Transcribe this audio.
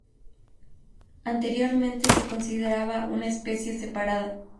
Anteriormente se consideraba una especie separada.